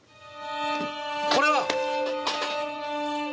これは！